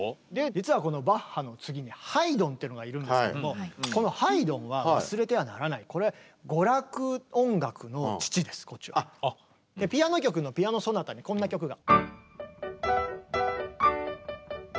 実はこのバッハの次にハイドンってのがいるんですけどもこのハイドンは忘れてはならないピアノ曲の「ピアノ・ソナタ」にこんな曲が。